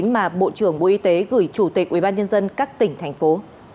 mà bộ trưởng bộ y tế gửi chủ tịch ubnd các tỉnh thành phố